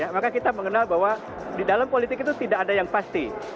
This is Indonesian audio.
maka kita mengenal bahwa di dalam politik itu tidak ada yang pasti